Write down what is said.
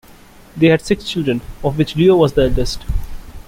They had six children, of which Leo was the eldest.